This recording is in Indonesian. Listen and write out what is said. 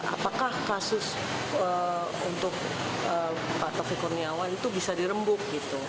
apakah kasus untuk pak tovi kurniawan itu bisa dirembuk gitu